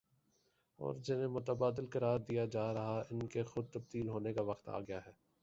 اور جنہیں متبادل قرار دیا جا رہا ان کے خود تبدیل ہونے کا وقت آ گیا ہے ۔